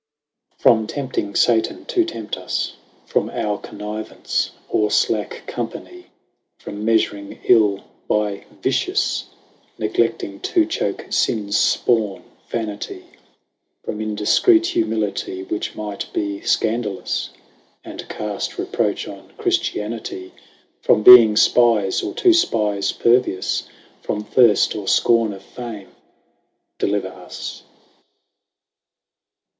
From tempting Satan to tempt us, 145 By our connivence, or (lack companie, From meafuring ill by vitious, Neglecting to choake fins fpawne, Vanitie, From indifcreet humilitie, Which might be fcandalous, 150 And caft reproach on Chriftianitie, From being fpies, or to fpies pervious, From thirft, or fcorne of fame, deliver us.